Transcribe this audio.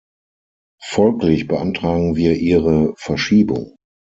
Folglich beantragen wir ihre Verschiebung.